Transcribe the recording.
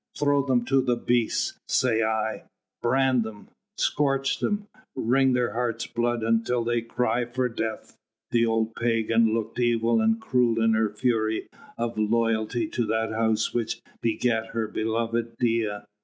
Throw them to the beasts, say I!... brand them ... scourge them ... wring their heart's blood until they cry for death...!" The old pagan looked evil and cruel in her fury of loyalty to that house which begat her beloved Dea.